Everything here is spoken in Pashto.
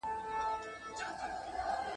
• زوى زړه دئ، ورور لېمه دئ، لمسى د هډ ماغزه دئ.